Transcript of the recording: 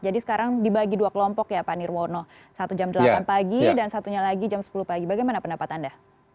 jadi sekarang dibagi dua kelompok ya pak nirwono satu jam delapan pagi dan satunya lagi jam sepuluh pagi bagaimana pendapat anda